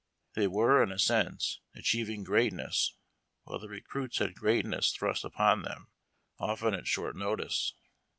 They were, in a sense, " achieving greatness," while the recruits had "greatness thrust upon them," often at short notice.